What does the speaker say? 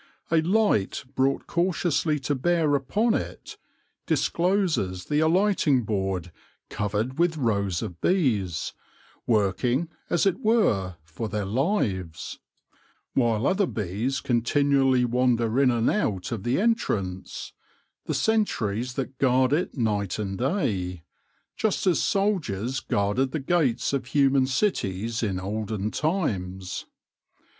A light brought cautiously to bear upon it, discloses the alighting board covered with rows of bees, working, as it were, for their lives ; while other bees continually wander in and out of the entrance — the sentries that guard it night and day, just as soldiers guarded the gates of human cities in olden times.